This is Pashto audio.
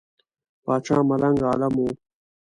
پاچا ملنګ عالم وو.